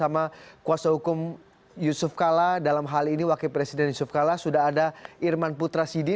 malam mas budi